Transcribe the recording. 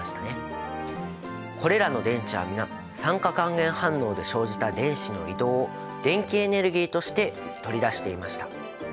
これらの電池は皆酸化還元反応で生じた電子の移動を電気エネルギーとして取り出していました。